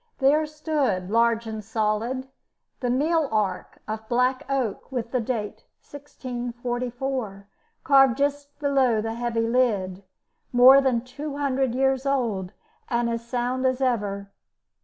There stood, large and solid, the mealark of black oak, with the date, 1644, carved just below the heavy lid, more than 200 years old, and as sound as ever.